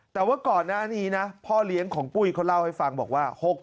แต่ว่าก่อนหน้านี้นะพ่อเลี้ยงของปุ้ยเขาเล่าให้ฟังบอกว่า